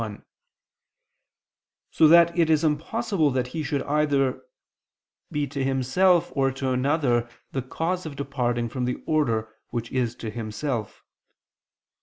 i): so that it is impossible that He should be either to Himself or to another the cause of departing from the order which is to Himself.